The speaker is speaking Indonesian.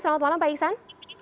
selamat malam pak iksan